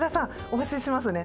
お教えしますね。